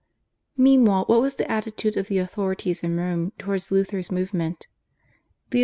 Meanwhile what was the attitude of the authorities in Rome towards Luther's movement. Leo X.